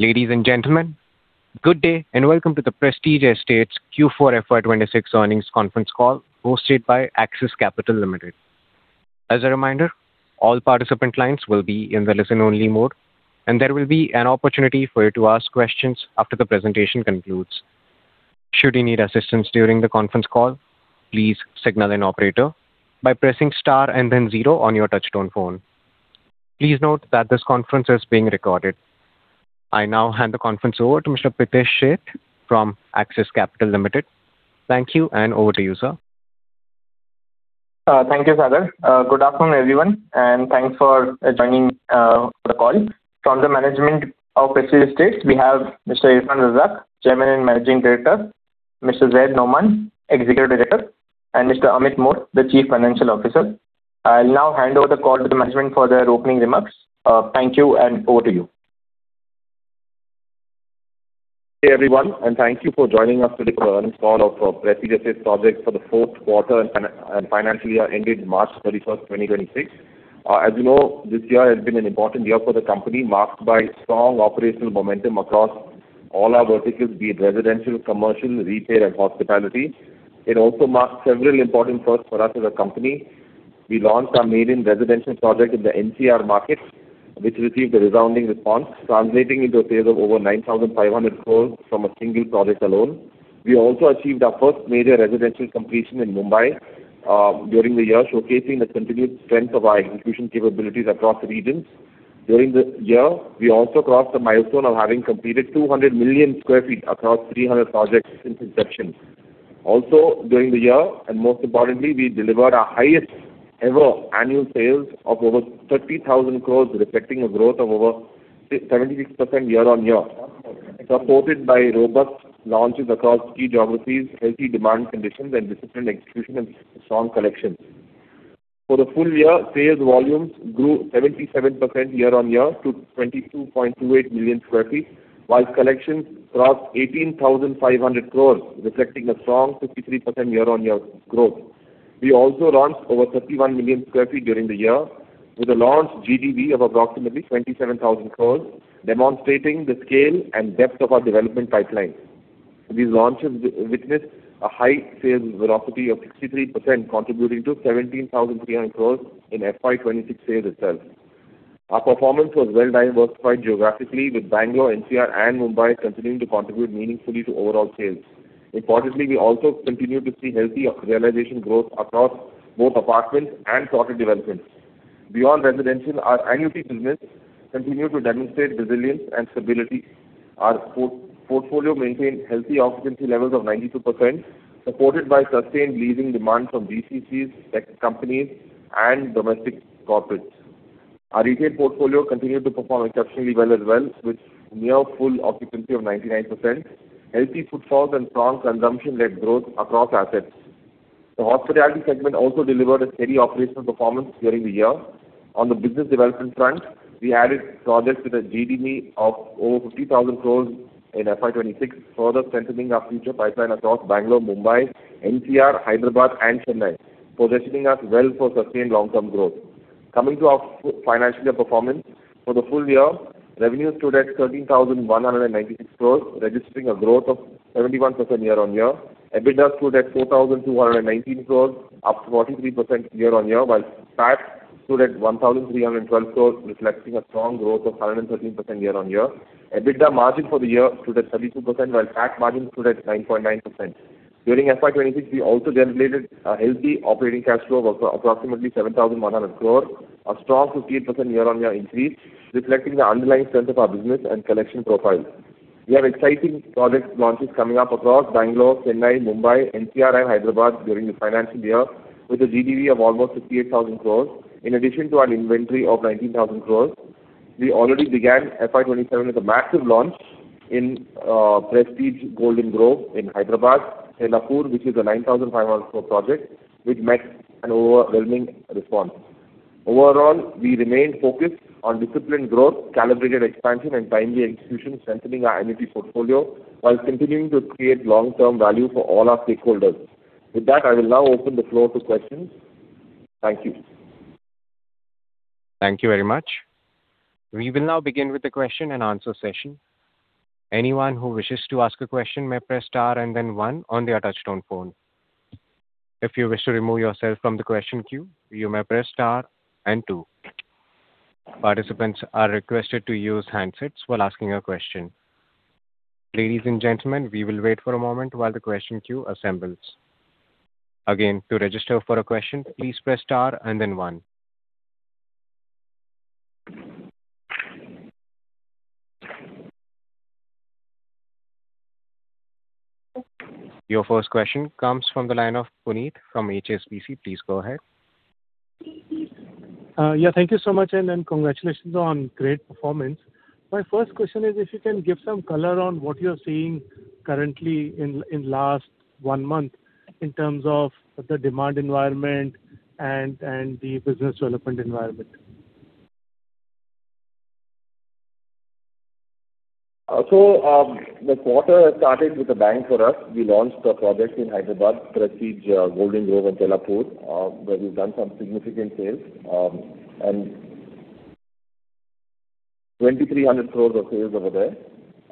Ladies and gentlemen, good day and welcome to the Prestige Estates Q4 FY 2026 earnings conference call hosted by Axis Capital Limited. I now hand the conference over to Mr. Pritesh Sheth from Axis Capital Limited. Thank you and over to you, sir. Thank you, Sagar. Good afternoon, everyone, and thanks for joining the call. From the management of Prestige Estates, we have Mr. Irfan Razack, Chairman and Managing Director, Mr. Zayd Noaman, Executive Director, and Mr. Amit Mor, the Chief Financial Officer. I'll now hand over the call to the management for their opening remarks. Thank you, and over to you. Hey everyone, and thank you for joining us today for the earnings call of Prestige Estates Projects for the fourth quarter and financial year ending 31st March, 2026. As you know, this year has been an important year for the company, marked by strong operational momentum across all our verticals, be it residential, commercial, retail and hospitality. It also marks several important firsts for us as a company. We launched our maiden residential project in the NCR market, which received a resounding response translating into a sales of over 9,500 crore from a single project alone. We also achieved our first major residential completion in Mumbai during the year, showcasing the continued strength of our execution capabilities across regions. During the year, we also crossed the milestone of having completed 200 million square feet across 300 projects since inception. During the year, and most importantly, we delivered our highest ever annual sales of over 30,000 crores, reflecting a growth of over 76% year-on-year, supported by robust launches across key geographies, healthy demand conditions and disciplined execution and strong collections. For the full year, sales volumes grew 77% year-on-year to 22.28 million square feet, while collections crossed 18,500 crores, reflecting a strong 53% year-on-year growth. We also launched over 31 million square feet during the year with a launch GDV of approximately 27,000 crores, demonstrating the scale and depth of our development pipeline. These launches witnessed a high sales velocity of 63%, contributing to 17,300 crores in FY 2026 sales itself. Our performance was well diversified geographically with Bangalore, NCR and Mumbai continuing to contribute meaningfully to overall sales. Importantly, we also continue to see healthy realization growth across both apartments and sorted developments. Beyond residential, our annuity business continued to demonstrate resilience and stability. Our portfolio maintained healthy occupancy levels of 92%, supported by sustained leasing demand from GCCs, tech companies and domestic corporates. Our retail portfolio continued to perform exceptionally well as well, with near full occupancy of 99%, healthy footfalls and strong consumption-led growth across assets. The hospitality segment also delivered a steady operational performance during the year. On the business development front, we added projects with a GDV of over 50,000 crore in FY 2026, further strengthening our future pipeline across Bangalore, Mumbai, NCR, Hyderabad and Chennai, positioning us well for sustained long term growth. Coming to our financial performance. For the full year, revenues stood at 13,196 crore, registering a growth of 71% year-on-year. EBITDA stood at 4,219 crores, up 43% year-on-year, while PAT stood at 1,312 crores, reflecting a strong growth of 113% year-on-year. EBITDA margin for the year stood at 72%, while PAT margin stood at 9.9%. During FY 2026, we also generated a healthy operating cash flow of approximately 7,100 crores, a strong 58% year-on-year increase, reflecting the underlying strength of our business and collection profile. We have exciting project launches coming up across Bangalore, Chennai, Mumbai, NCR and Hyderabad during the financial year with a GDV of almost 58,000 crores, in addition to our inventory of 19,000 crores. We already began FY 2027 with a massive launch in Prestige Golden Grove in Hyderabad, Tellapur, which is an 9,500 crore project which met an overwhelming response. Overall, we remain focused on disciplined growth, calibrated expansion and timely execution, strengthening our annuity portfolio while continuing to create long-term value for all our stakeholders. With that, I will now open the floor to questions. Thank you. Thank you very much. We will now begin with the question and answer session. Anyone who wishes to ask a question may press star and then one on their touchtone phone. If you wish to remove yourself from the question queue, you may press star and two. Participants are requested to use handsets while asking a question. Ladies and gentlemen, we will wait for a moment while the question queue assembles. Again, to register for a question, please press star and then one. Your first question comes from the line of Puneet from HSBC. Please go ahead. Yeah, thank you so much. Congratulations on great performance. My first question is if you can give some color on what you are seeing currently in last one month in terms of the demand environment and the business development environment. The quarter started with a bang for us. We launched a project in Hyderabad, Prestige Golden Grove in Tellapur, where we've done some significant sales. 2,300 crores of sales over there,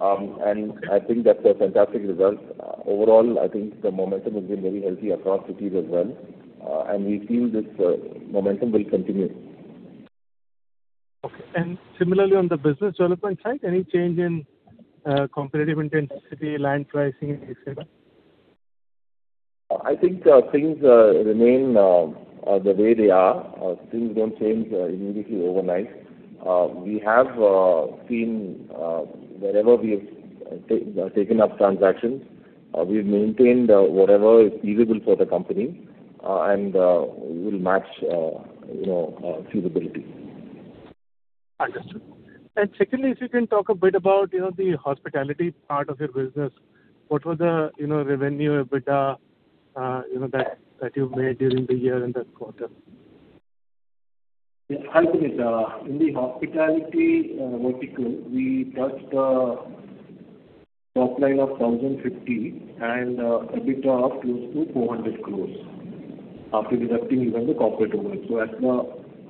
and I think that's a fantastic result. Overall, I think the momentum has been very healthy across cities as well, and we feel this momentum will continue. Okay. Similarly, on the business development side, any change in competitive intensity, land pricing, et cetera? I think things remain the way they are. Things don't change immediately overnight. We have seen wherever we have taken up transactions, we've maintained whatever is feasible for the company, and we'll match feasibility. Understood. Secondly, if you can talk a bit about the hospitality part of your business. What were the revenue, EBITDA that you made during the year and this quarter? Yes, absolutely. In the hospitality vertical, we touched a top line of 1,050 and EBITDA of close to 400 crores after deducting even the corporate overhead. At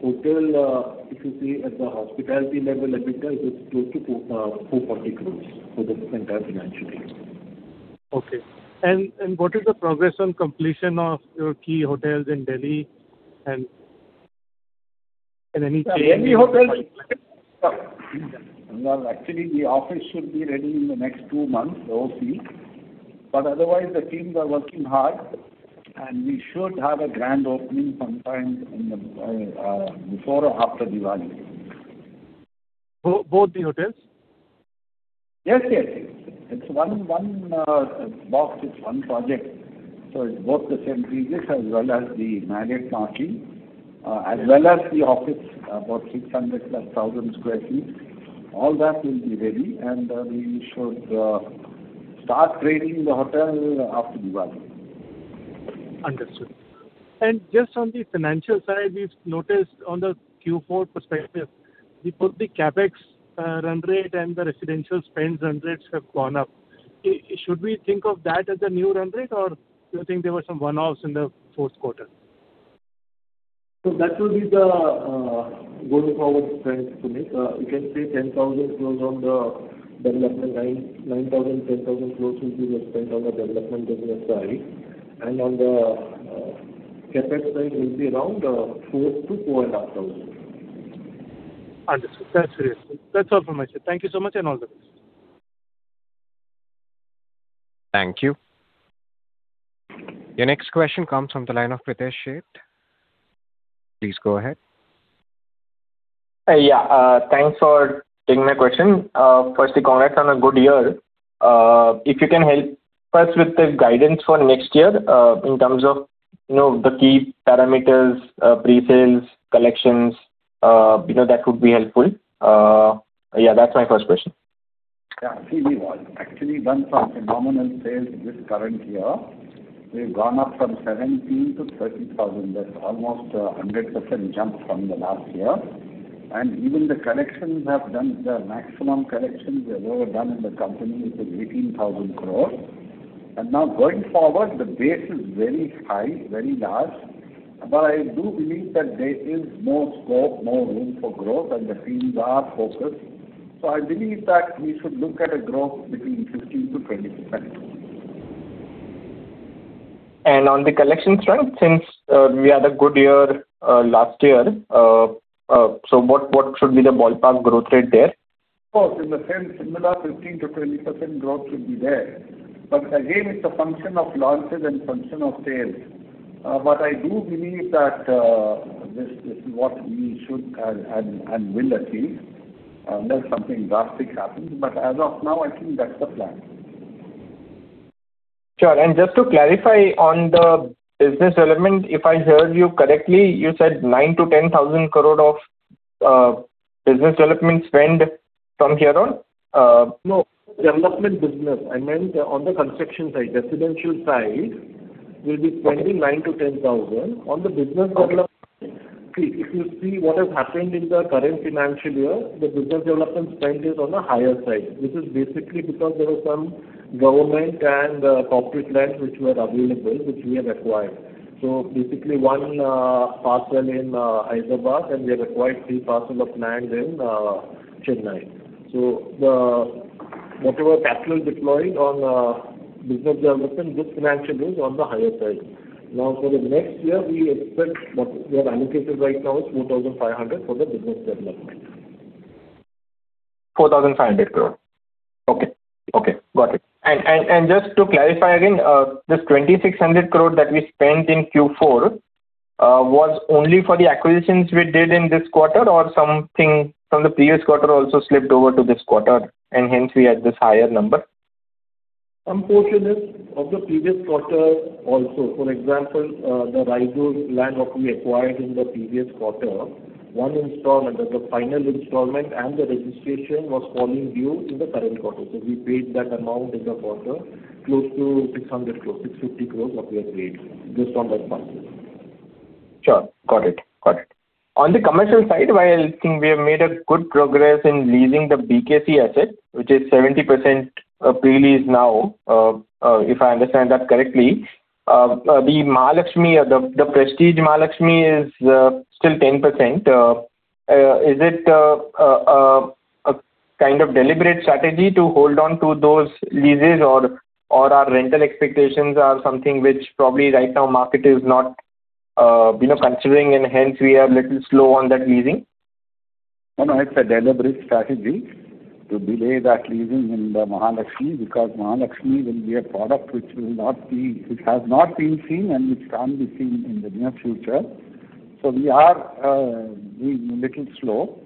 the hotel, if you see at the hospitality level, EBITDA is close to 440 crores for the entire financial year. Okay. What is the progress on completion of your key hotels in Delhi, and any change. The Delhi hotel will be completed. Well, actually, the office should be ready in the next two months, the OC. Otherwise, the teams are working hard, and we should have a grand opening sometime before or after Diwali. Both the hotels? Yes. It's one box. It's one project. It's both The St. Regis as well as the Marriott Marquis, as well as the office, about 600 plus 1,000 square feet. All that will be ready, and we should start grading the hotel after Diwali. Understood. Just on the financial side, we've noticed on the Q4 perspective, both the CapEx run rate and the residential spend run rates have gone up. Should we think of that as a new run rate, or do you think there were some one-offs in the fourth quarter? That will be the going forward spend, Puneet. You can say 10,000 crores on the development line, 9,000 crores-10,000 crores will be the spend on the development business side. On the CapEx side, it will be around 4 thousand-4.5 thousand. Understood. That's really useful. That's all from my side. Thank you so much, and all the best. Thank you. Your next question comes from the line of Pritesh Sheth. Please go ahead. Yeah. Thanks for taking my question. Firstly, congrats on a good year. If you can help first with the guidance for next year in terms of the key parameters, pre-sales, collections, that would be helpful. Yeah, that's my first question. Yeah. See, we've actually done some phenomenal sales this current year. We've gone up from 17 to 30,000. That's almost 100% jump from the last year. Even the collections have done the maximum collections we've ever done in the company, which is 18,000 crores. Now going forward, the base is very high, very large. I do believe that there is more scope, more room for growth, and the teams are focused. I believe that we should look at a growth between 15%-20%. On the collections front, since we had a good year last year, so what should be the ballpark growth rate there? Of course, in the same similar 15%-20% growth should be there. Again, it's a function of launches and function of sales. I do believe that this is what we should and will achieve, unless something drastic happens. As of now, I think that's the plan. Sure. Just to clarify on the business development, if I heard you correctly, you said 9,000 crore-10,000 crore of business development spend from here on? No. Development business. I meant on the construction side, residential side will be 29 to 10,000. Okay. If you see what has happened in the current financial year, the business development spend is on a higher side. This is basically because there were some government and corporate lands which were available, which we have acquired. Basically, one parcel in Hyderabad, and we have acquired three parcel of land in Chennai. Whatever capital deployed on business development this financial is on the higher side. For the next year, we expect what we have allocated right now is 4,500 for the business development. 4,500 crore. Okay. Got it. Just to clarify again, this 2,600 crore that we spent in Q4 was only for the acquisitions we did in this quarter or something from the previous quarter also slipped over to this quarter, and hence we had this higher number? Some portion is of the previous quarter also. For example, the Raigad land what we acquired in the previous quarter. One installment, that's the final installment. The registration was falling due in the current quarter. We paid that amount in the quarter, close to 600 crores, 650 crores what we have paid just on that parcel. Sure. Got it. On the commercial side, while I think we have made a good progress in leasing the BKC asset, which is 70% pre-leased now, if I understand that correctly. The Prestige Mahalaxmi is still 10%. Is it a kind of deliberate strategy to hold on to those leases or our rental expectations are something which probably right now market is not considering and hence we are a little slow on that leasing? No, no, it's a deliberate strategy to delay that leasing in the Mahalaxmi, because Mahalaxmi will be a product which has not been seen, and which can't be seen in the near future. We are being a little slow.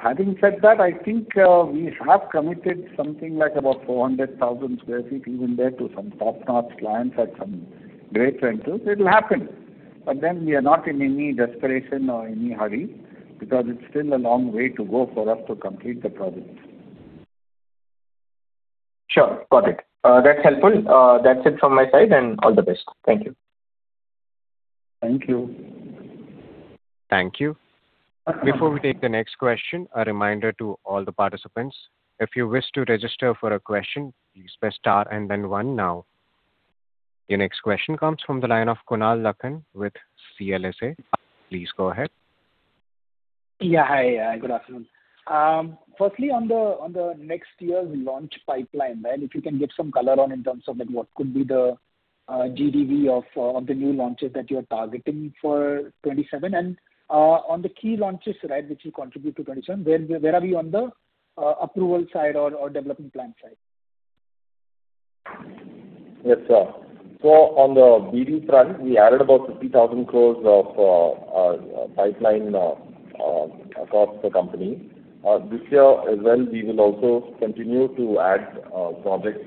Having said that, I think, we have committed something like about 400,000 square feet even there to some top-notch clients at some great rentals. It'll happen. We are not in any desperation or any hurry because it's still a long way to go for us to complete the project. Sure. Got it. That's helpful. That's it from my side, and all the best. Thank you. Thank you. Thank you. Before we take the next question, a reminder to all the participants. If you wish to register for a question, please press star and then one now. Your next question comes from the line of Kunal Lakhan with CLSA. Please go ahead. Yeah, hi. Good afternoon. Firstly, on the next year launch pipeline, if you can give some color on in terms of what could be the GDV of the new launches that you're targeting for FY27, and on the key launches which will contribute to FY27, where are we on the approval side or development plan side? Yes, sir. On the BD front, we added about 50,000 crores of pipeline across the company. This year as well, we will also continue to add projects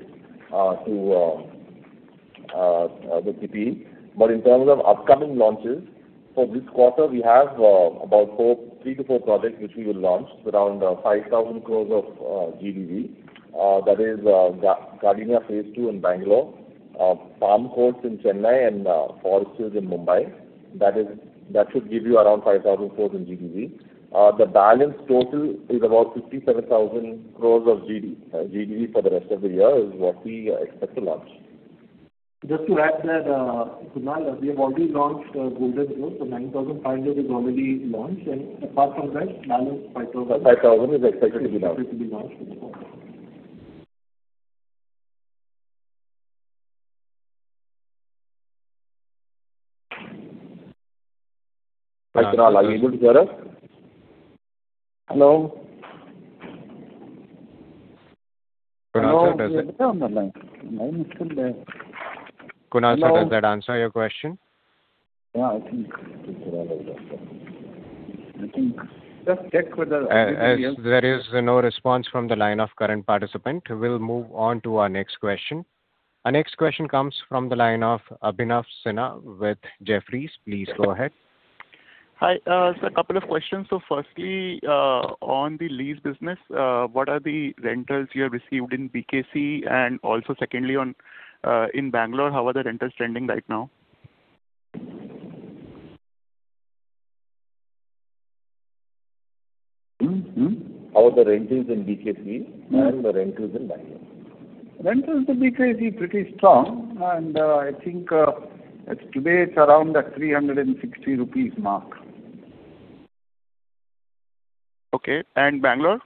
to the PEPL. In terms of upcoming launches, for this quarter, we have about three to four projects which we will launch with around 5,000 crores of GDV. That is Gardenia phase two in Bengaluru, Palm Courts in Chennai, and Forest Hills in Mumbai. That should give you around 5,000 crores in GDV. The balance total is about 57,000 crores of GDV for the rest of the year is what we expect to launch. Just to add that, Kunal, we have already launched Golden Grove, so 9,500 is already launched, and apart from that, balance 5,000. 5,000 is expected to be launched. expected to be launched this quarter. Hi, Kunal. Are you able to hear us? Hello? Kunal, does that- He's still on the line. I think he's still there. Kunal- Hello Does that answer your question? Yeah, I think. As there is no response from the line of current participant, we will move on to our next question. Our next question comes from the line of Abhinav Sinha with Jefferies. Please go ahead. Hi. Sir, a couple of questions. Firstly, on the lease business, what are the rentals you have received in BKC, and also secondly, in Bangalore, how are the rentals trending right now? How are the rentals in BKC and the rentals in Bengaluru? Rentals in BKC is pretty strong. I think as of today it's around the 360 rupees mark. Okay, Bangalore?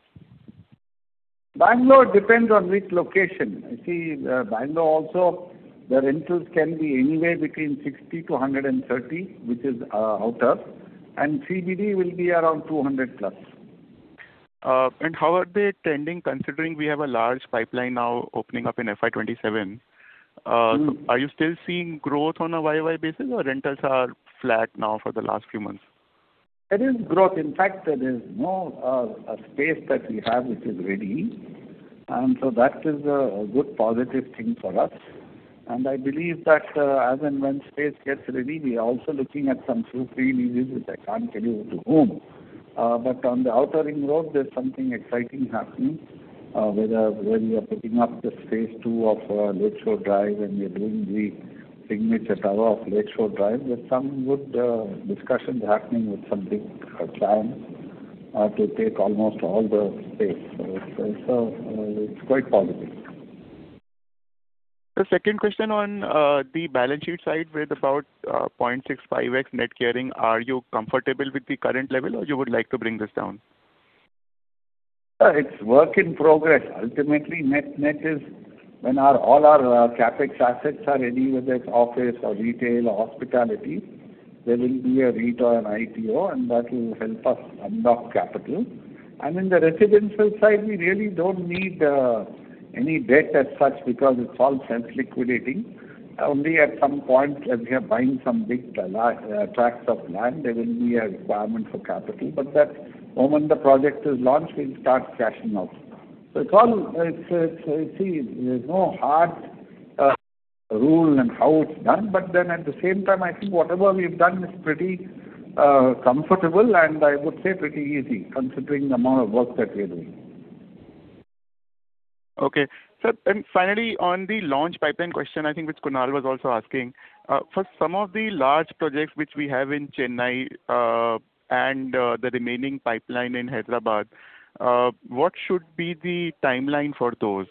Bangalore depends on which location. You see, Bangalore also, the rentals can be anywhere between 60-130, which is outer, and CBD will be around 200+. How are they trending considering we have a large pipeline now opening up in FY 2027? Are you still seeing growth on a YY basis or rentals are flat now for the last few months? There is growth. In fact, there is no space that we have which is ready. That is a good positive thing for us. I believe that as and when space gets ready, we are also looking at some few pre-leases, which I can't tell you to whom. On the outer ring road, there's something exciting happening, where we are putting up the phase two of Lakeshore Drive, and we are doing the signature tower of Lakeshore Drive with some good discussions happening with some big clients to take almost all the space. It's quite positive. The second question on the balance sheet side with about 0.65x net gearing, are you comfortable with the current level, or you would like to bring this down? It's work in progress. Ultimately, net is when all our CapEx assets are ready, whether it's office or retail or hospitality, there will be a REIT or an IPO, and that will help us unlock capital. In the residential side, we really don't need any debt as such because it's all self-liquidating. Only at some point, as we are buying some big tracts of land, there will be a requirement for capital, but that moment the project is launched, we'll start cashing out. You see, there's no hard rule in how it's done. At the same time, I think whatever we've done is pretty comfortable and I would say pretty easy considering the amount of work that we are doing. Okay. Sir, finally, on the launch pipeline question I think which Kunal was also asking. For some of the large projects which we have in Chennai, and the remaining pipeline in Hyderabad, what should be the timeline for those?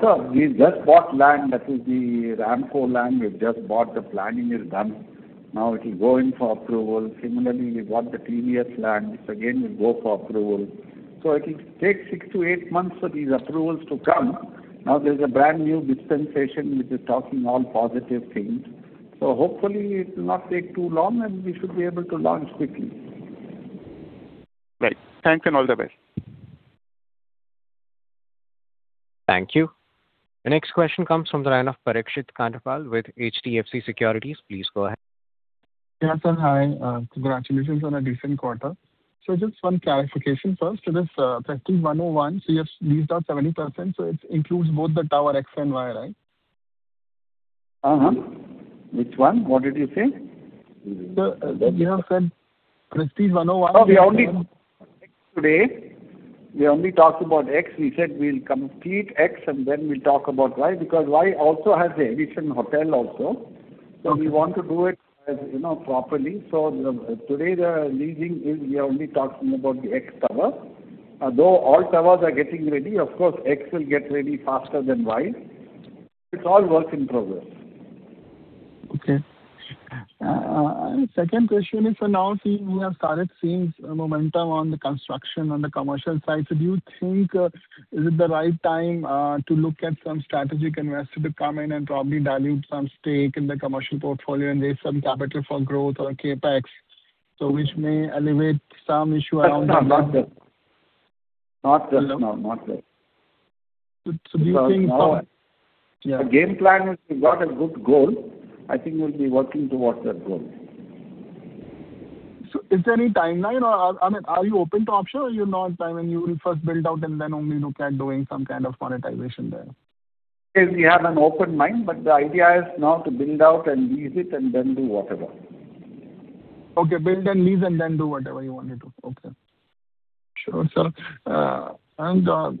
Sir, we've just bought land. That is the Ramco land we've just bought. The planning is done. Now it will go in for approval. Similarly, we bought the previous land. This again will go for approval. It will take six to eight months for these approvals to come. Now, there's a brand-new dispensation which is talking all positive things. Hopefully it will not take too long, and we should be able to launch quickly. Right. Thanks and all the best. Thank you. The next question comes from the line of Parikshit Kandpal with HDFC Securities. Please go ahead. Yeah, sir. Hi. Congratulations on a decent quarter. Just one clarification first. This Prestige 101, so you have leased out 70%, so it includes both the tower X and Y, right? Which one? What did you say? Sir, you have said Prestige 101- We only talked about X. We said we'll complete X, then we'll talk about Y because Y also has the Edition Hotel also. We want to do it properly. Today, the leasing is we are only talking about the X tower. Though all towers are getting ready. Of course, X will get ready faster than Y. It's all work in progress. Okay. Second question is, now seeing we have started seeing momentum on the construction on the commercial side. Do you think, is it the right time to look at some strategic investor to come in and probably dilute some stake in the commercial portfolio and raise some capital for growth or CapEx? Which may alleviate some issue. No, not yet. Not just now. Not yet. Do you think? Now our game plan is we've got a good goal. I think we'll be working towards that goal. Is there any timeline, or are you open to option, or you're not planning, you will first build out and then only look at doing some kind of monetization there? We have an open mind, but the idea is now to build out and lease it and then do whatever. Okay. Build and lease and then do whatever you wanted to. Okay. Sure, sir.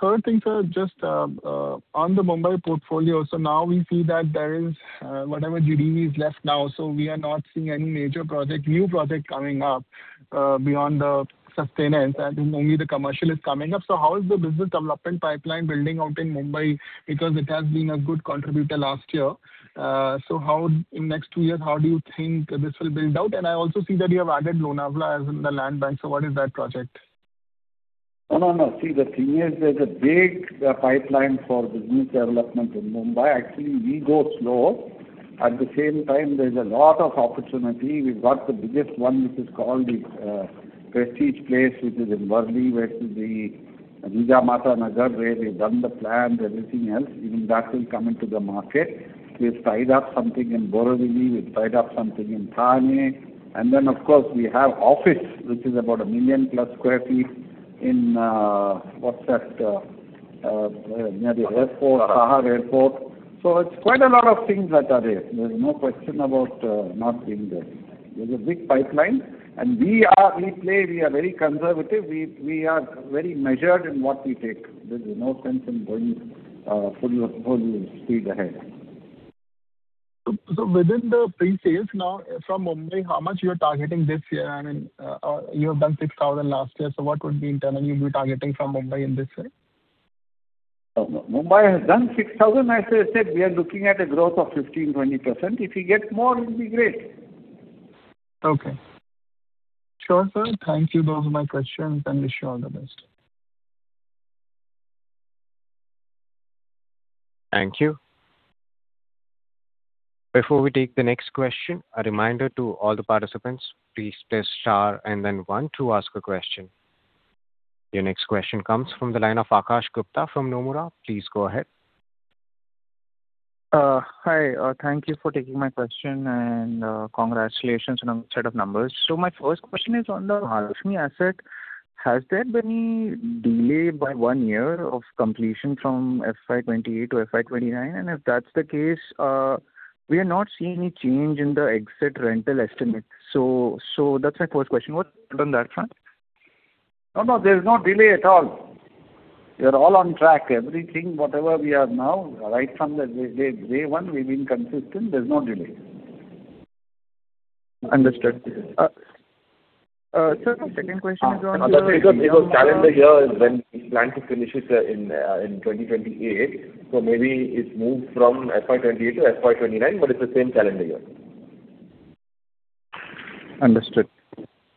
Third thing, sir, just on the Mumbai portfolio. Now we see that there is whatever GDE is left now. We are not seeing any major project, new project coming up beyond the sustenance, and only the commercial is coming up. How is the business development pipeline building out in Mumbai? Because it has been a good contributor last year. In next two years, how do you think this will build out? I also see that you have added Lonavala as in the land bank. What is that project? No. See, the thing is, there's a big pipeline for business development in Mumbai. Actually, we go slow. At the same time, there's a lot of opportunity. We've got the biggest one, which is called the Prestige Place, which is in Worli, which is the Jijamata Nagar, where we've done the plans, everything else. Even that will come into the market. We've tied up something in Borivali, we've tied up something in Thane. Of course, we have office, which is about 1 million-plus square feet near the airport, Sahar airport. It's quite a lot of things that are there. There's no question about not being there. There's a big pipeline, we are very conservative. We are very measured in what we take. There's no sense in going full speed ahead. Within the pre-sales now from Mumbai, how much you are targeting this year? You have done 6,000 last year, what would be internally you'll be targeting from Mumbai in this way? Mumbai has done 6,000. As I said, we are looking at a growth of 15, 20%. If we get more, it'll be great. Okay. Sure, sir. Thank you. Those are my questions, and wish you all the best. Thank you. Before we take the next question, a reminder to all the participants, please press star and then one to ask a question. Your next question comes from the line of Akash Gupta from Nomura. Please go ahead. Hi. Thank you for taking my question, and congratulations on your set of numbers. My first question is on the Prestige Mahalaxmi asset. Has there been any delay by one year of completion from FY 2028 to FY 2029? If that's the case, we are not seeing any change in the exit rental estimate. That's my first question, what's going on that front? No, there's no delay at all. We are all on track. Everything, whatever we are now, right from the day one, we've been consistent. There's no delay. Understood. Sir, my second question is on the- That's because it was calendar year when we planned to finish it in 2028. Maybe it moved from FY 2028 to FY 2029, but it's the same calendar year. Understood.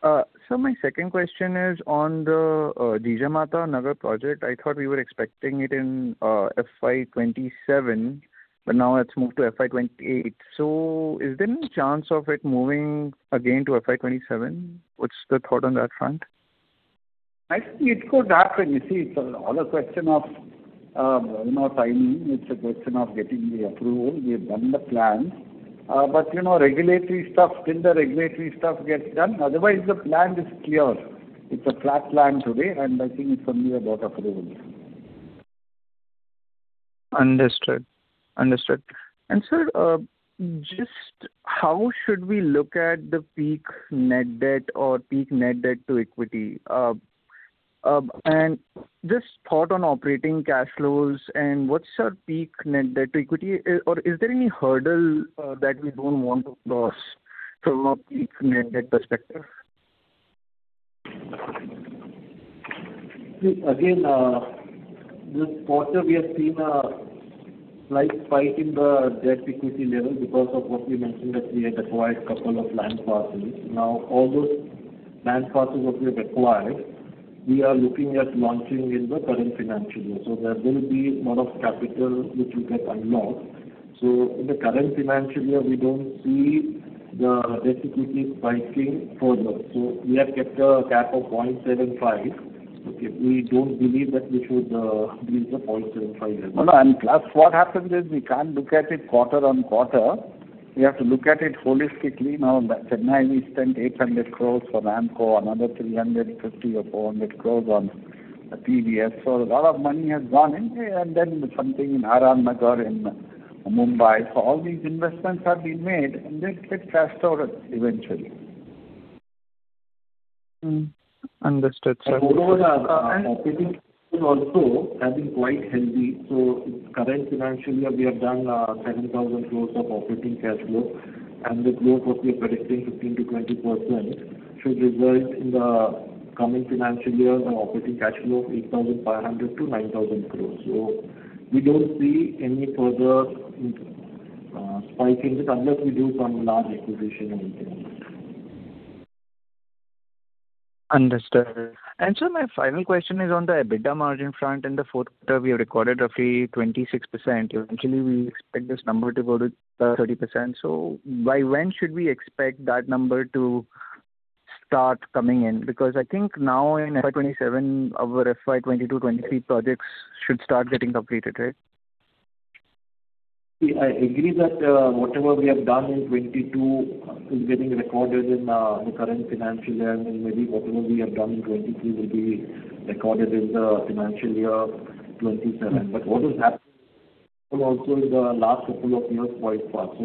Sir, my second question is on the Jijamata Nagar project. I thought we were expecting it in FY 2027, but now it's moved to FY 2028. Is there any chance of it moving again to FY 2027? What's the thought on that front? I think it could happen. You see, it's all a question of timing. It's a question of getting the approval. We have done the plans. Regulatory stuff, till the regulatory stuff gets done. Otherwise, the plan is clear. It's a flat plan today, and I think it's only about approval. Understood. Sir, just how should we look at the peak net debt or peak net debt to equity? Just thought on operating cash flows, what's our peak net debt to equity? Is there any hurdle that we don't want to cross from a peak net debt perspective? Again, this quarter we have seen a slight spike in the debt-to-equity level because of what we mentioned, that we had acquired a couple of land parcels. All those land parcels what we have acquired, we are looking at launching in the current financial year. There will be a lot of capital which will get unlocked. In the current financial year, we don't see the debt-to-equity spiking further. We have kept a cap of 0.75. We don't believe that we should breach the 0.75 level. Plus, what happens is we can't look at it quarter on quarter. We have to look at it holistically. In Chennai, we spent 800 crores for Ramco, another 350 or 400 crores on TVS. A lot of money has gone in. Then something in Aarey Nagar in Mumbai. All these investments are being made, and they'll get cashed out eventually. Understood, sir. Moreover, our operating cash flow also has been quite healthy. This current financial year, we have done 7,000 crores of operating cash flow. The growth what we are predicting, 15%-20%, should result in the coming financial year an operating cash flow of 8,500-9,000 crores. We don't see any further spiking it unless we do some large acquisition or anything. Understood. Sir, my final question is on the EBITDA margin front. In the fourth quarter, we have recorded roughly 26%. Eventually, we expect this number to go to 30%. By when should we expect that number to start coming in? I think now in FY 2027, our FY 2022, 2023 projects should start getting completed, right? I agree that whatever we have done in 2022 is getting recorded in the current financial year. Maybe whatever we have done in 2023 will be recorded in the financial year 2027. What has happened also in the last couple of years quite fast.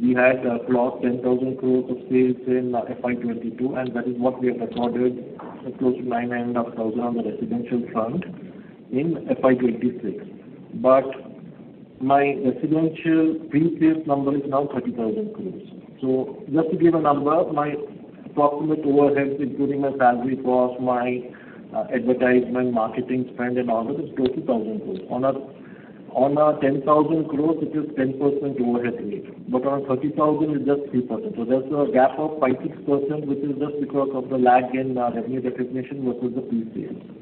We had a plot 10,000 crores of sales in FY 2022, and that is what we have recorded, close to 9,500 on the residential front in FY 2026. My residential pre-sales number is now 30,000 crores. Just to give a number, my approximate overheads, including my salary cost, my advertisement, marketing spend and all that is 2,000 crores. On a 10,000 crores, it is 10% overhead rate, on 30,000 it's just 3%. There's a gap of 5%-6%, which is just because of the lag in revenue recognition versus the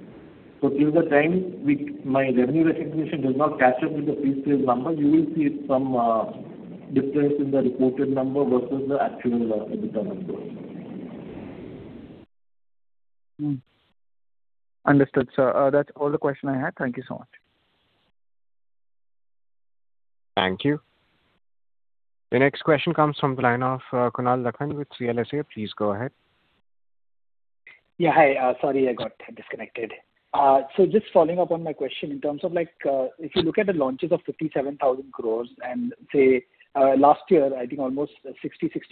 pre-sales. Till the time my revenue recognition does not catch up with the pre-sales number, you will see some difference in the reported number versus the actual EBITDA number. Understood, sir. That's all the questions I had. Thank you so much. Thank you. The next question comes from the line of Kunal Lakhan with CLSA. Please go ahead. Yeah, hi. Sorry, I got disconnected. Just following up on my question in terms of if you look at the launches of 57,000 crore, and say, last year, I think almost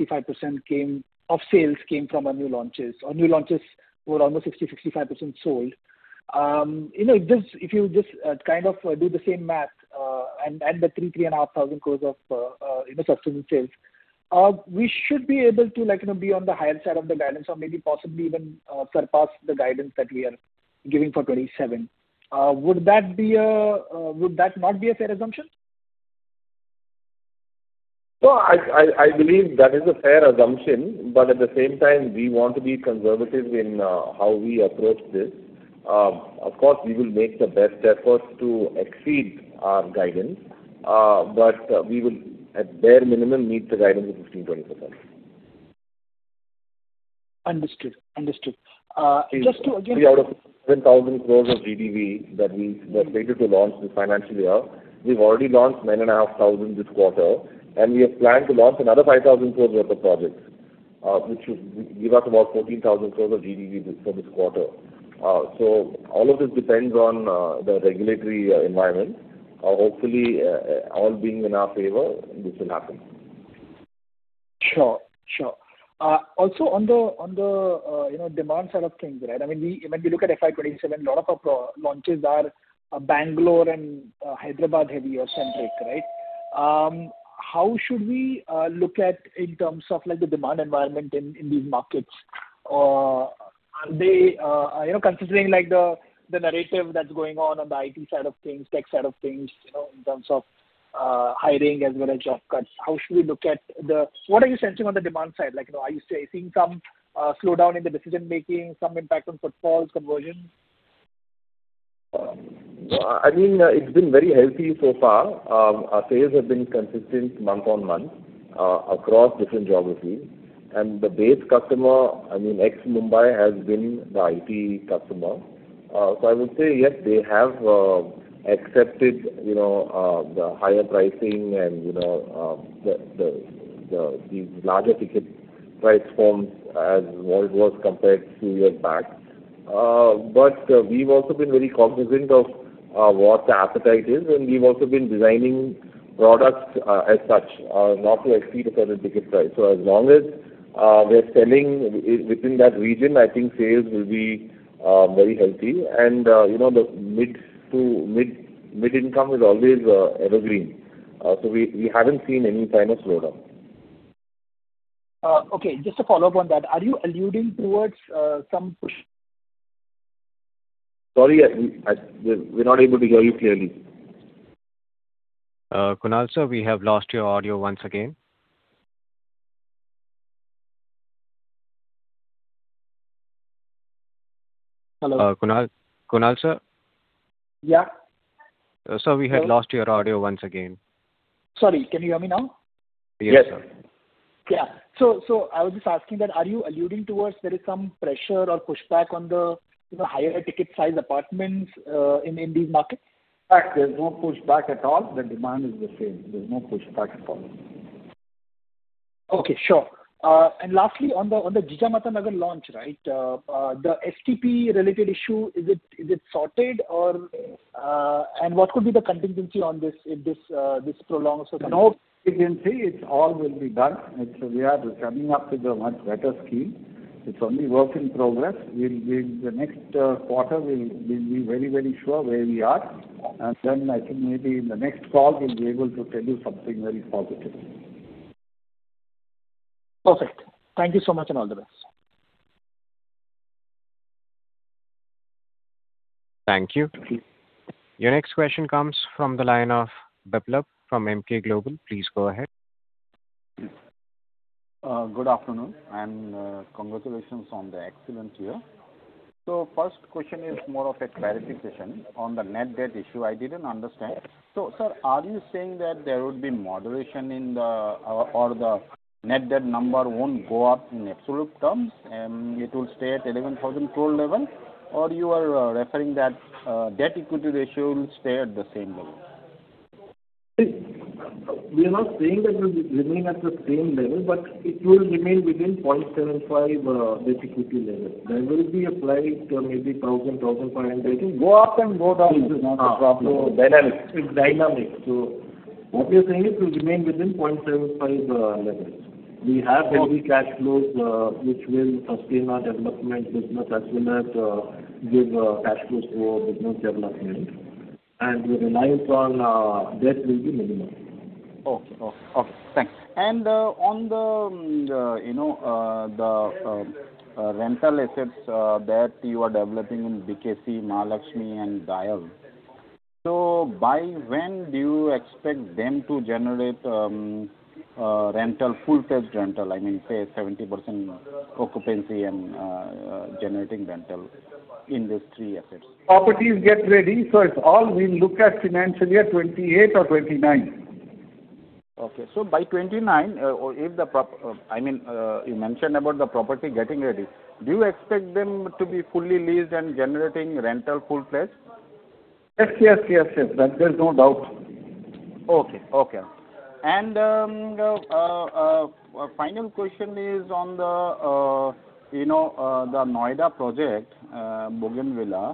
60%-65% of sales came from our new launches, or new launches were almost 60%-65% sold. If you just do the same math and add the 3,500 crore of substitute sales, we should be able to be on the higher side of the guidance or maybe possibly even surpass the guidance that we are giving for FY 2027. Would that not be a fair assumption? I believe that is a fair assumption. At the same time, we want to be conservative in how we approach this. Of course, we will make the best efforts to exceed our guidance. We will at bare minimum meet the guidance of 15%-20%. Understood. Out of 7,000 crores of GDV that we were slated to launch this financial year, we've already launched nine and a half thousand this quarter. We have planned to launch another 5,000 crores worth of projects, which should give us about 14,000 crores of GDV for this quarter. All of this depends on the regulatory environment. Hopefully, all being in our favor, this will happen. Sure. Also on the demand side of things. When we look at FY 2027, a lot of our launches are Bangalore and Hyderabad-heavy or centric, right? How should we look at in terms of the demand environment in these markets? Considering the narrative that's going on the IT side of things, tech side of things, in terms of hiring as well as job cuts, what are you sensing on the demand side? Are you seeing some slowdown in the decision-making, some impact on footfalls conversion? It's been very healthy so far. Our sales have been consistent month-on-month across different geographies. The base customer, ex-Mumbai, has been the IT customer. I would say yes, they have accepted the higher pricing and these larger ticket price forms as what it was compared two years back. We've also been very cognizant of what the appetite is, and we've also been designing products as such, not to exceed a certain ticket price. As long as we're selling within that region, I think sales will be very healthy. The mid-income is always evergreen. We haven't seen any sign of slowdown. Okay, just a follow-up on that. Are you alluding towards some? Sorry, we're not able to hear you clearly. Kunal, sir, we have lost your audio once again. Hello. Kunal sir. Yeah. Sir, we had lost your audio once again. Sorry. Can you hear me now? Yes. Yes, sir. Yeah. I was just asking that are you alluding towards there is some pressure or pushback on the higher ticket size apartments in these markets? In fact, there's no pushback at all. The demand is the same. There's no pushback at all. Okay, sure. Lastly, on the Jijamata Nagar launch, the SRA related issue, is it sorted? What could be the contingency on this if this prolongs? No contingency. It all will be done. We are coming up with a much better scheme. It's only work in progress. The next quarter we'll be very sure where we are. I think maybe in the next call, we'll be able to tell you something very positive. Perfect. Thank you so much, and all the best. Thank you. Your next question comes from the line of Biplab from Emkay Global. Please go ahead. Good afternoon, congratulations on the excellent year. First question is more of a clarification on the net debt issue I didn't understand. Sir, are you saying that there would be moderation or the net debt number won't go up in absolute terms, and it will stay at 11,000 crore level? Are you referring that debt equity ratio will stay at the same level? We are not saying that it will remain at the same level, but it will remain within 0.75 debt equity level. There will be a play to maybe INR 1,000, INR 1,500. It will go up and go down. This is not a problem. So dynamic. It's dynamic. What we are saying it will remain within 0.75 levels. We have heavy cash flows, which will sustain our development business as well as give cash flows to our business development. The reliance on debt will be minimal. Okay. Thanks. On the rental assets that you are developing in BKC, Mahalaxmi and Dahisar, by when do you expect them to generate full pledge rental? I mean, say, 70% occupancy and generating rental in these three assets. Properties get ready. It's all we look at FY 2028 or FY 2029. Okay. By 2029, you mentioned about the property getting ready. Do you expect them to be fully leased and generating rental full pledge? Yes. There's no doubt. Okay. Final question is on the Noida project, Bougainvillea.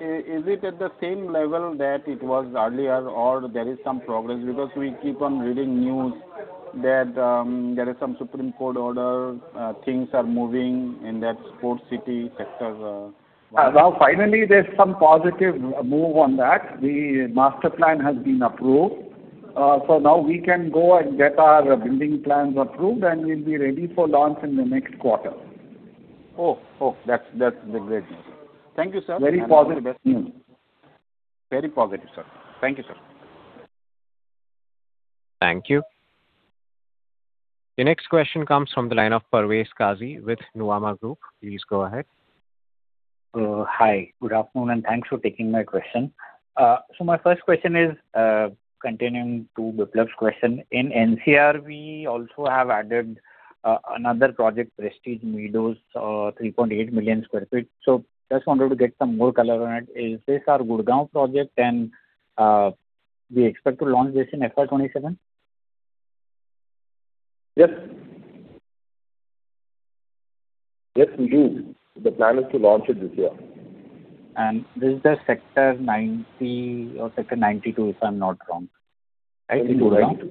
Is it at the same level that it was earlier or there is some progress? Because we keep on reading news that there is some Supreme Court order, things are moving in that sports city sector. Now, finally, there's some positive move on that. The master plan has been approved. Now we can go and get our building plans approved, and we'll be ready for launch in the next quarter. Oh, that's the great news. Thank you, sir. Very positive. Very positive, sir. Thank you, sir. Thank you. The next question comes from the line of Parvez Qazi with Nuvama Group. Please go ahead. Hi. Good afternoon, and thanks for taking my question. My first question is continuing to Biplab's question. In NCR, we also have added another project, Prestige Meadows, 3.8 million square feet. Just wanted to get some more color on it. Is this our Gurgaon project and do you expect to launch this in FY 2027? Yes. Yes, we do. The plan is to launch it this year. This is the sector 90 or sector 92, if I'm not wrong. Right? 92.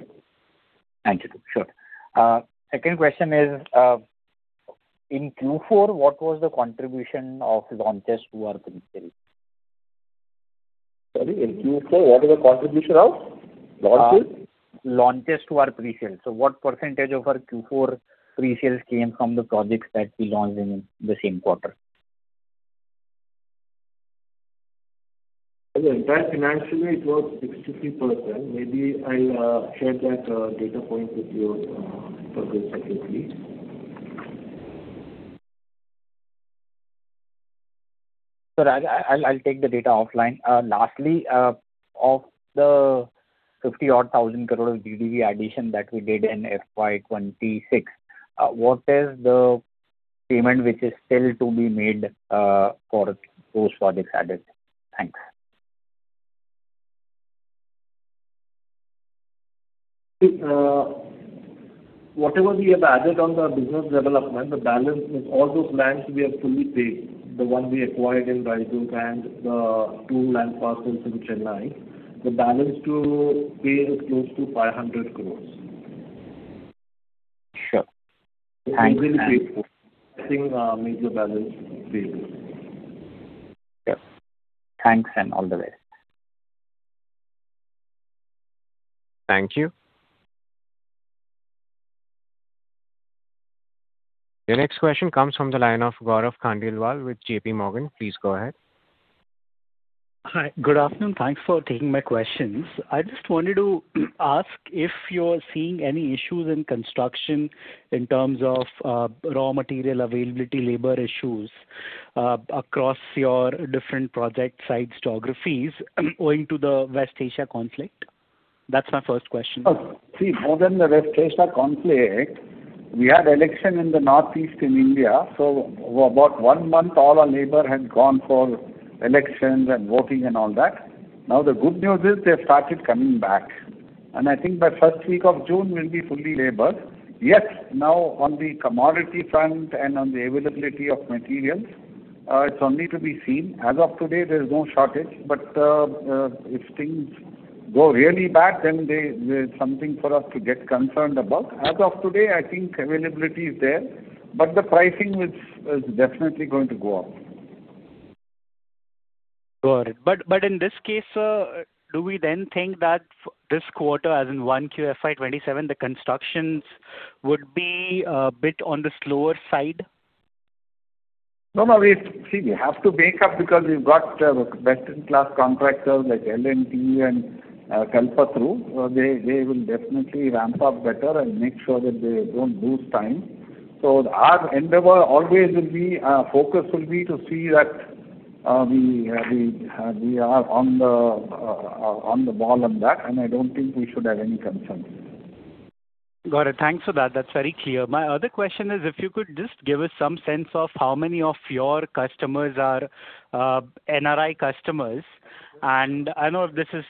92. Sure. Second question is, in Q4, what was the contribution of launches to our pre-sale? Sorry, in Q4, what was the contribution of launches? Launches to our pre-sales. What percentage of our Q4 pre-sales came from the projects that we launched in the same quarter? Financially, it was 63%. Maybe I'll share that data point with you for good accuracy. Sir, I'll take the data offline. Lastly, of the 50,000 odd crore of GDV addition that we did in FY 2026, what is the payment which is still to be made for those projects added? Thanks. Whatever we have added on the business development, the balance is all those lands we have fully paid. The one we acquired in Raigad and the two land parcels in Chennai. The balance to pay is close to 500 crores. Sure. Thanks. It will be paid for. I think major balance paid. Yep. Thanks, and all the best. Thank you. The next question comes from the line of Gaurav Khandelwal with JP Morgan. Please go ahead. Hi. Good afternoon. Thanks for taking my questions. I just wanted to ask if you're seeing any issues in construction in terms of raw material availability, labor issues, across your different project sites, geographies, owing to the West Asia conflict. That's my first question. More than the West Asia conflict, we had elections in the Northeast in India, so about one month, all our labor had gone for elections and voting and all that. The good news is they have started coming back, and I think by first week of June we'll be fully labored. Yes, on the commodity front and on the availability of materials, it's only to be seen. As of today, there's no shortage, but if things go really bad, then there's something for us to get concerned about. As of today, I think availability is there, but the pricing is definitely going to go up. Got it. In this case, do we then think that this quarter, as in 1 QFY 2027, the constructions would be a bit on the slower side? We have to make up because we've got best-in-class contractors like L&T and Kalpataru. They will definitely ramp up better and make sure that they don't lose time. Our endeavor always will be, focus will be to see that we are on the ball on that, and I don't think we should have any concerns. Got it. Thanks for that. That's very clear. My other question is, if you could just give us some sense of how many of your customers are NRI customers. I know this is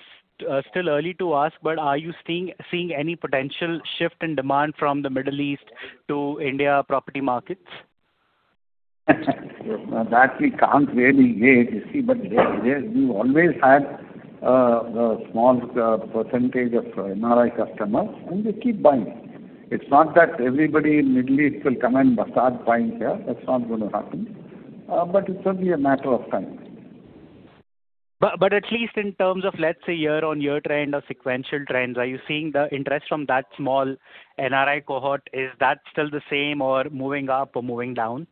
still early to ask, but are you seeing any potential shift in demand from the Middle East to India property markets? We can't really gauge, you see, but we've always had a small percentage of NRI customers, and they keep buying. It's not that everybody in the Middle East will come and start buying here. That's not going to happen. It's only a matter of time. At least in terms of, let's say, year-on-year trend or sequential trends, are you seeing the interest from that small NRI cohort? Is that still the same or moving up or moving down?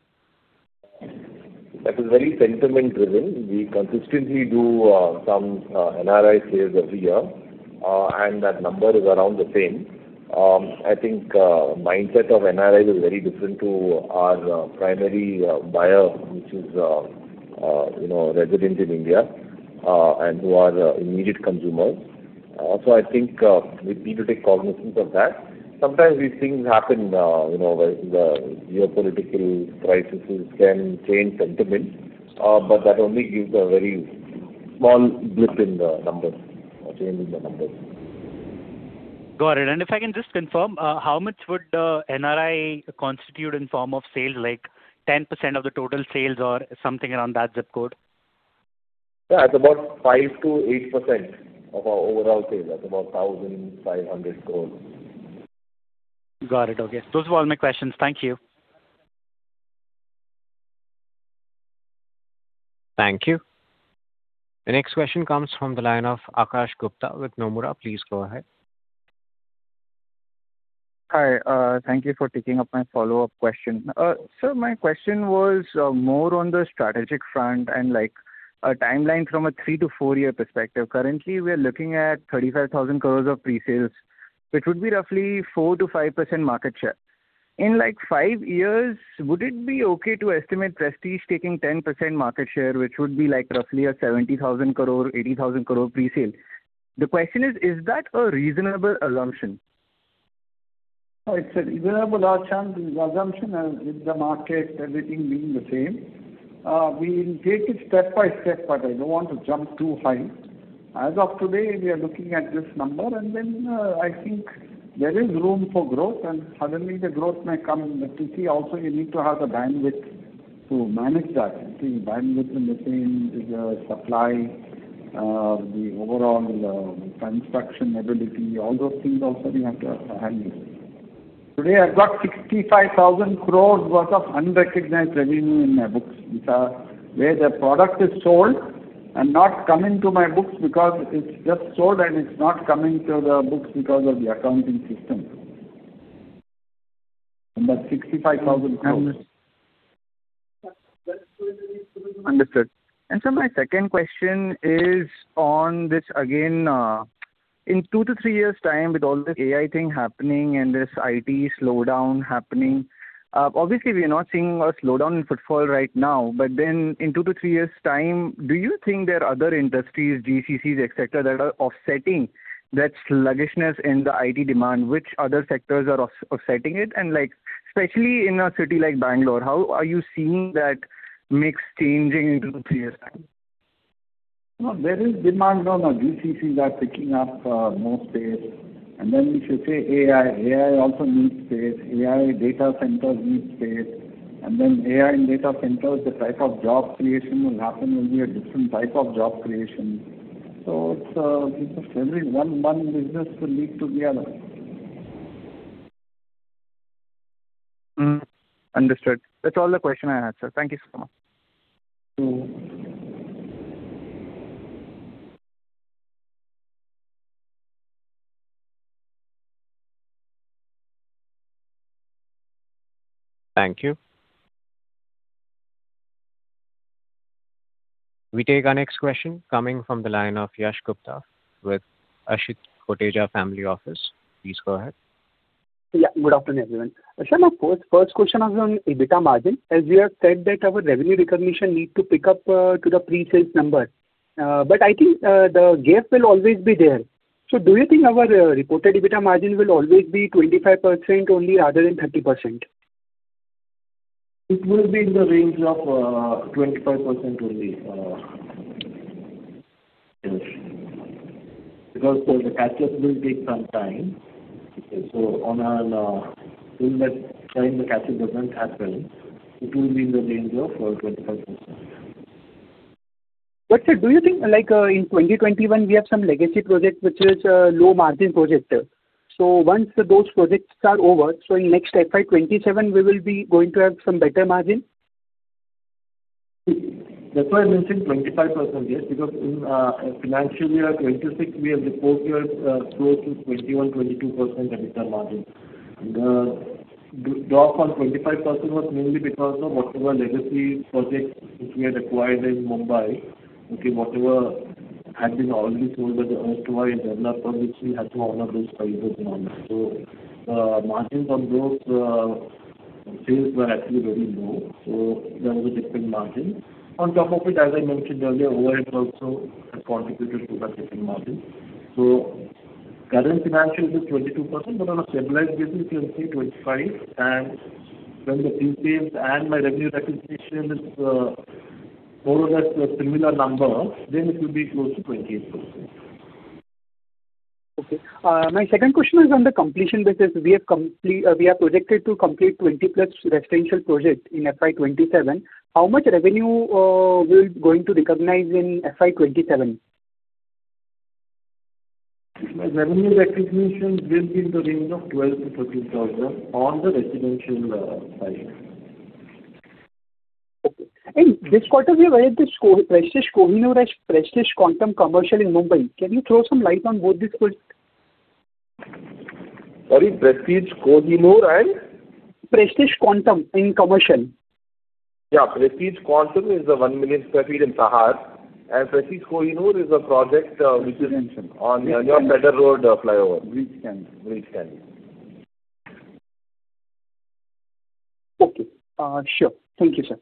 That is very sentiment-driven. We consistently do some NRI sales every year, and that number is around the same. I think mindset of NRIs is very different to our primary buyer, which is a resident in India, and who are immediate consumers. I think we need to take cognizance of that. Sometimes these things happen, the geopolitical crises can change sentiments, but that only gives a very small blip in the numbers, a change in the numbers. Got it. If I can just confirm, how much would NRI constitute in form of sales, like 10% of the total sales or something around that zip code? Yeah. It's about 5%-8% of our overall sales. That's about 1,500 crores. Got it. Okay. Those were all my questions. Thank you. Thank you. The next question comes from the line of Akash Gupta with Nomura. Please go ahead. Hi. Thank you for taking up my follow-up question. Sir, my question was more on the strategic front and a timeline from a three to four-year perspective. Currently, we are looking at 35,000 crore of pre-sales, which would be roughly 4%-5% market share. In five years, would it be okay to estimate Prestige taking 10% market share, which would be roughly a 70,000 crore-80,000 crore pre-sale? The question is: Is that a reasonable assumption? It's a reasonable assumption, with the market, everything being the same. We will take it step by step. I don't want to jump too high. As of today, we are looking at this number. I think there is room for growth. Suddenly the growth may come. You see, also, you need to have the bandwidth to manage that. Bandwidth in the sense, the supply, the overall construction ability, all those things also you have to handle. Today, I've got 65,000 crore worth of unrecognized revenue in my books. These are where the product is sold and not coming to my books because it's just sold, and it's not coming to the books because of the accounting system. About INR 65,000 crore. Understood. Sir, my second question is on this again. In two to three years' time, with all this AI thing happening and this IT slowdown happening, obviously, we are not seeing a slowdown in footfall right now. In two to three years' time, do you think there are other industries, GCCs, et cetera, that are offsetting that sluggishness in the IT demand? Which other sectors are offsetting it? Especially in a city like Bangalore, how are you seeing that mix changing in two to three years' time? No, there is demand. No. GCCs are picking up more space. If you say AI also needs space. AI data centers need space. AI and data centers, the type of job creation will happen will be a different type of job creation. It's just every one business will lead to the other. Understood. That's all the questions I had, sir. Thank you so much. Thank you. We take our next question coming from the line of Yash Gupta with Ashit Koteja Family Office. Please go ahead. Yeah. Good afternoon, everyone. Sir, my first question was on EBITDA margin, as you have said that our revenue recognition needs to pick up to the pre-sales number. I think the gap will always be there. Do you think our reported EBITDA margin will always be 25% only rather than 30%? It will be in the range of 25% only. Yes. Because the catch-up will take some time. During that time the catch-up doesn't happen, it will be in the range of 25%. Sir, do you think in 2021 we have some legacy projects, which is low margin projects. Once those projects are over, in next FY27, we will be going to have some better margin? That's why I mentioned 25%, yes. In financial year 2026, we have reported close to 21%-22% EBITDA margin. The drop on 25% was mainly because of whatever legacy projects which we had acquired in Mumbai. Okay, whatever had been already sold by the erstwhile developer, which we had to honor those prices and all. The margins on those sales were actually very low. There was a different margin. On top of it, as I mentioned earlier, overheads also have contributed to the different margin. Current financial is 22%, but on a stabilized basis, you can say 25. When the pre-sales and my revenue recognition is more or less a similar number, then it will be close to 28%. Okay. My second question is on the completion basis. We are projected to complete 20+ residential projects in FY 2027. How much revenue are we going to recognize in FY 2027? Revenue recognition will be in the range of 12,000-13,000 on the residential side. Okay. In this quarter, we acquired the Prestige Kohinoor and Prestige Quantum commercial in Mumbai. Can you throw some light on both these projects? Sorry, Prestige Kohinoor and? Prestige Quantum in commercial. Yeah. Prestige Quantum is a 1 million square feet in Sahar, and Prestige Kohinoor is a project which is on the New Prabhadevi Road flyover. Breach Candy. Breach Candy. Okay. Sure. Thank you, sir.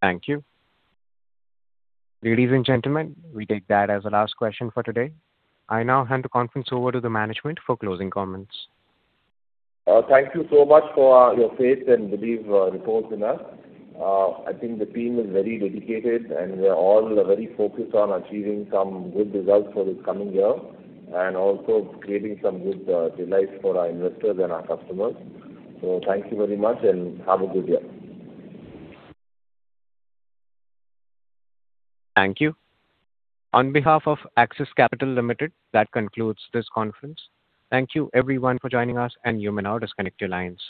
Thank you. Ladies and gentlemen, we take that as the last question for today. I now hand the conference over to the management for closing comments. Thank you so much for your faith and belief, reports in us. I think the team is very dedicated, and we are all very focused on achieving some good results for this coming year and also creating some good delights for our investors and our customers. Thank you very much and have a good day. Thank you. On behalf of Axis Capital Limited, that concludes this conference. Thank you everyone for joining us, and you may now disconnect your lines.